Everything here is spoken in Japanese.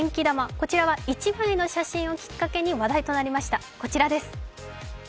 こちらは１枚の写真をきっかけに話題となりました。